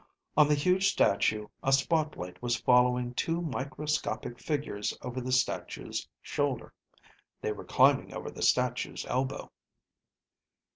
On the huge statue, a spotlight was following two microscopic figures over the statue's shoulder. They were climbing over the statue's elbow.